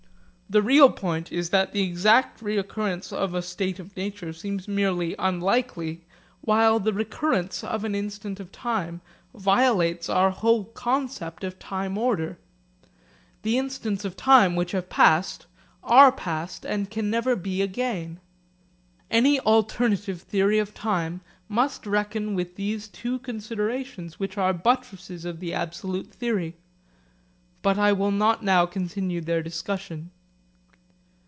The real point is that the exact recurrence of a state of nature seems merely unlikely, while the recurrence of an instant of time violates our whole concept of time order. The instants of time which have passed, are passed, and can never be again. Any alternative theory of time must reckon with these two considerations which are buttresses of the absolute theory. But I will not now continue their discussion.